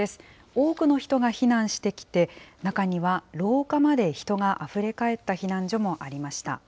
多くの人が避難してきて、中には廊下まで人があふれかえった避難所もありました。